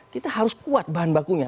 kita harus kuat bahan bakunya